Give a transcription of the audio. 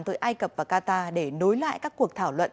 với ai cập và qatar để đối lại các cuộc thảo luận